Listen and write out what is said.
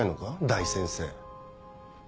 大先生。